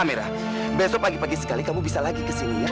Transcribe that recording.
besok pagi pagi sekali kamu bisa lagi kesini ya